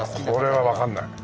これはわかんない。